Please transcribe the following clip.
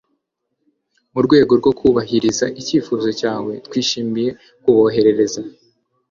Mu rwego rwo kubahiriza icyifuzo cyawe, twishimiye kuboherereza